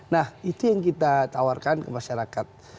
nah itu yang kita tawarkan ke masyarakat